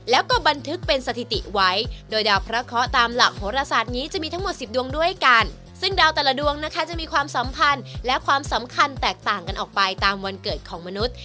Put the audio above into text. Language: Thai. แล้วก็บันทึกเป็นสถิติไว้โดยดาวพระเคาะตามหลักโหรศาสตร์นี้จะมีทั้งหมดสิบดวงด้วยกันซึ่งดาวแต่ละดวงนะคะจะมีความสัมพันธ์และความสำคัญแตกต่างกันออกไปตามวันเกิดของมนุษย์